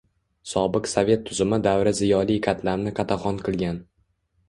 Sobiq sovet tuzumi davri ziyoli qatlamni qatag'on qilgan.